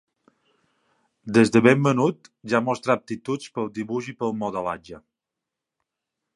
Des de ben menut ja mostrà aptituds pel dibuix i pel modelatge.